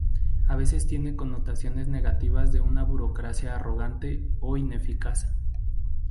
A veces tiene connotaciones negativas de una burocracia arrogante o ineficaz.